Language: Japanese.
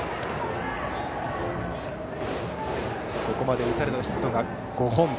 ここまで打たれたヒットが５本。